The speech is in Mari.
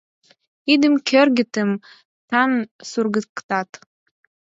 Идым кӧргетым таҥ сургыктат.